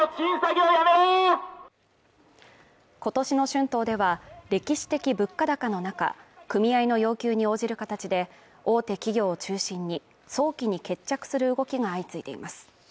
今年の春闘では、歴史的物価高の中、組合の要求に応じる形で大手企業を中心に早期に決着する動きが相次いでいます。